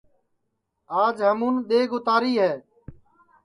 آج ہمون ڈؔیگ اُتاری ہے